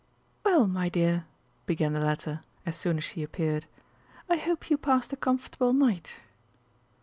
"Well, my dear," began the latter, as soon as she appeared, "I hope you passed a comfortable night?"